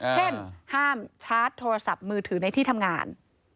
เช่นห้ามชาร์จโทรศัพท์มือถือในที่ทำงาน